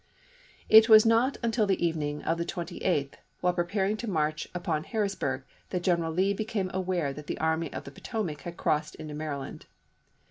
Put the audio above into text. June, 1863. It was not until the evening of the 28th, while preparing to march upon Harrisburg, that General Lee became aware that the Army of the Potomac had crossed into Maryland.